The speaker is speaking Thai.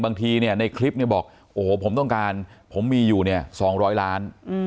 บางทีเนี่ยในคลิปเนี่ยบอกโอ้โหผมต้องการผมมีอยู่เนี่ย๒๐๐ล้าน